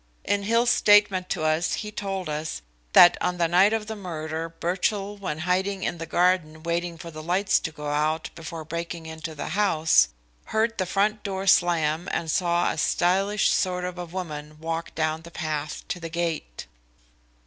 In Hill's statement to us he told us that on the night of the murder, Birchill when hiding in the garden waiting for the lights to go out before breaking into the house, heard the front door slam and saw a stylish sort of woman walk down the path to the gate."